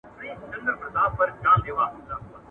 د کار ځواک پیاوړتیا د اقتصاد بنسټ قوي کوي.